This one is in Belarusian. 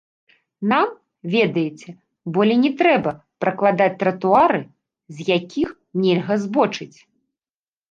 Нам, ведаеце, болей не трэба пракладаць тратуары, з якіх нельга збочыць.